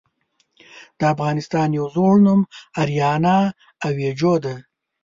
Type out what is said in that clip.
د افغانستان يو ﺯوړ نوم آريانا آويجو ده .